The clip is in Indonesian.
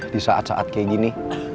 di saat saat kayak gini